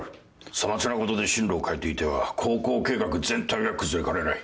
さまつなことで進路を変えていては航行計画全体が崩れかねない。